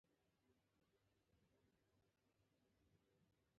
هلک چت ته کتل.